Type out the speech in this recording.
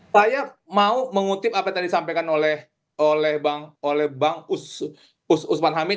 saya mau mengutip apa yang tadi disampaikan oleh bang usman hamid